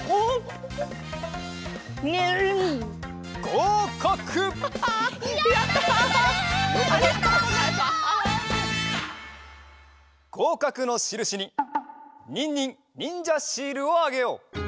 ごうかくのしるしにニンニンにんじゃシールをあげよう。